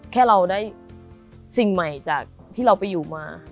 แค่เราได้สิ่งใหม่จากที่เราไปอยู่มา